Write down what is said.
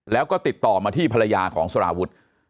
แล้วก็ติดต่อมาที่ภรรยาของสารวุฒิ